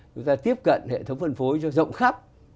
chúng ta tiếp cận hệ thống phân phối cho rộng khắp